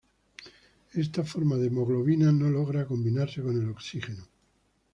Esta forma de hemoglobina no logra combinarse con el oxígeno.